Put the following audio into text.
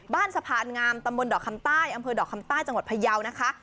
สะพานงามตำบลดอกคำใต้อำเภอดอกคำใต้จังหวัดพยาวนะคะ